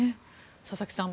佐々木さん